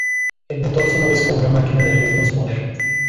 El motor sonoro es como una máquina de ritmos modernos.